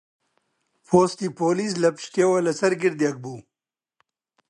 پۆستی پۆلیس لە پشتیەوە لەسەر گردێک بوو